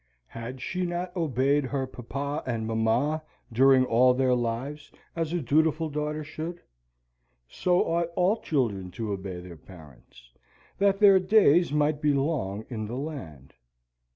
Had she not obeyed her papa and mamma during all their lives, as a dutiful daughter should? So ought all children to obey their parents, that their days might be long in the land.